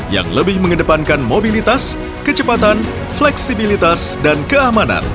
yang lebih mengedepankan mobilitas kecepatan fleksibilitas dan keamanan